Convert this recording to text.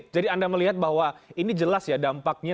oke jadi anda melihat bahwa ini jelas ya dampaknya